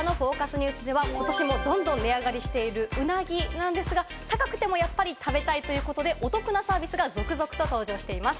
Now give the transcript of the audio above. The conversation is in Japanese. ニュースでは、ことしもどんどん値上がりしているウナギなんですが、高くてもやっぱり食べたいということでお得なサービスが続々登場しています。